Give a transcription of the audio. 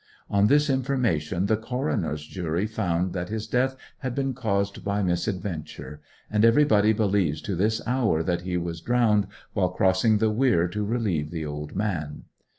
On this information the coroner's jury found that his death had been caused by misadventure; and everybody believes to this hour that he was drowned while crossing the weir to relieve the old man.